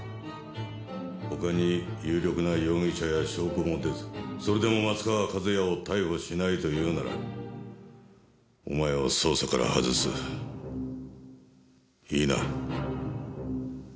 他に有力な容疑者や証拠も出ずそれでも松川一弥を逮捕しないと言うならお前を捜査から外す。いいな？